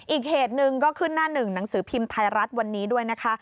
อีกเหตุหนึ่งก็ขึ้นหน้าหนึ่งหนังสือพิมพ์ไทยรัฐวันนี้ด้วยนะคะ